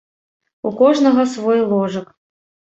У кожнага свой ложак.